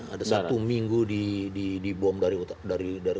ada satu minggu dibom dari